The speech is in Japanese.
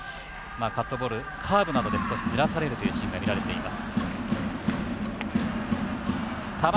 カットボール、カーブなどで少しずらされるというシーンが見られています。